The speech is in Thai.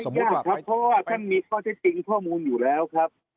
ยากครับเพราะว่าท่านมีข้อเท็จจริงข้อมูลอยู่แล้วครับ